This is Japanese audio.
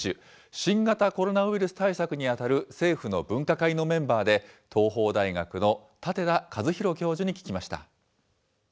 新型コロナウイルス対策に当たる政府の分科会のメンバーで、東邦大学の舘田一博教授に聞きました。